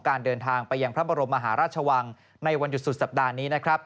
เดินทางไปยังพระบรมมหาราชวังในวันหยุดสุดสัปดาห์นี้นะครับ